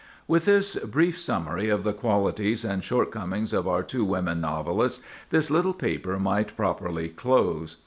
With this brief summary of the qualities and shortcomings of our two women novelists, this little paper might properly close.